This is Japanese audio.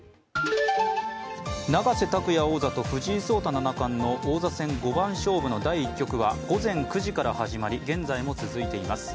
永瀬拓矢王座と藤井聡太七冠の王座戦五番勝負第１局は午前９時から始まり、現在も続いています。